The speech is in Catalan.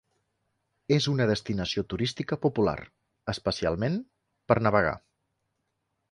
És una destinació turística popular, especialment per navegar.